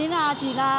người ta nói chị tin à